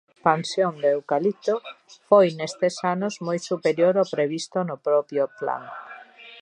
A expansión do eucalipto foi nestes anos moi superior ao previsto no propio plan.